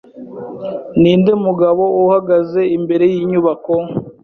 Ninde mugabo uhagaze imbere yinyubako?